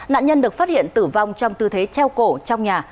nạn nhân được phát hiện tử vong trong tư thế treo cổ trong nhà